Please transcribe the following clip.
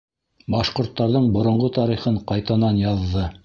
Башҡорттарҙың боронғо тарихын ҡайтанан яҙҙы.